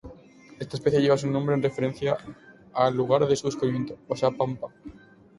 Esta especie lleva su nombre en referencia al lugar de su descubrimiento, Oxapampa.